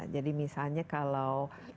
jadi misalnya kalau